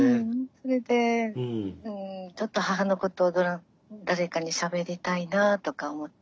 それでちょっと母のことを誰かにしゃべりたいなあとか思って。